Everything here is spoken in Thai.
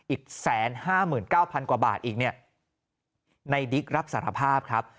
อีก๑๕๙๐๐กว่าบาทอีกเนี่ยในดิ๊กรับสารภาพครับ